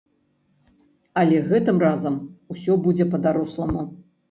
Але гэтым разам усё будзе па-даросламу.